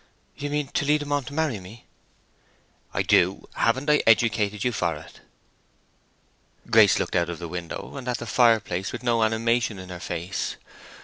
"You mean, to lead him on to marry me?" "I do. Haven't I educated you for it?" Grace looked out of the window and at the fireplace with no animation in her face.